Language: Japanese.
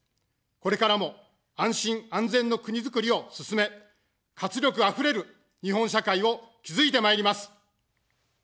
これからも、安心・安全の国づくりを進め、活力あふれる日本社会を築いてまいります。